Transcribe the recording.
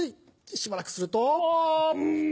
しばらくするとん！